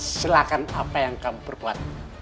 silahkan apa yang kamu perbuat